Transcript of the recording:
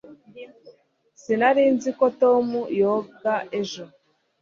sinari nzi ko tom yoga ejo